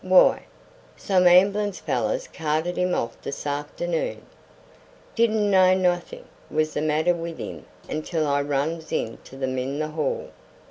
Why, some amb'lance fellers carted him off this afternoon. Didn't know nawthin' was the matter with 'im until I runs into them in the hall."